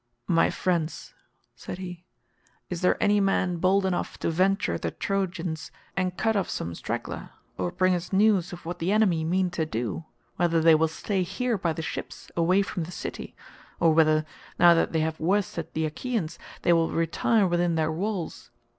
"My friends," said he, "is there any man bold enough to venture among the Trojans, and cut off some straggler, or bring us news of what the enemy mean to do whether they will stay here by the ships away from the city, or whether, now that they have worsted the Achaeans, they will retire within their walls.